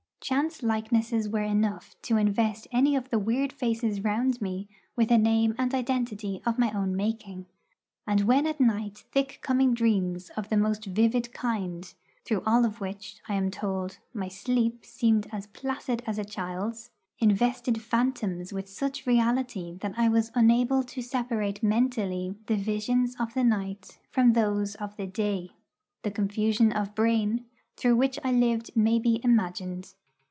Chance likenesses were enough to invest any of the weird faces round me with a name and identity of my own making; and when at night thick coming dreams of the most vivid kind through all of which, I am told, my sleep seemed as placid as a child's invested phantoms with such reality that I was unable to separate mentally the visions of the night from those of the day, the confusion of brain through which I lived may be imagined.